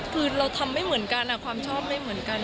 คือเราทำไม่เหมือนกันความชอบไม่เหมือนกัน